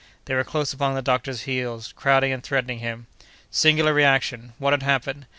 They were close upon the doctor's heels, crowding and threatening him. Singular reaction! What had happened?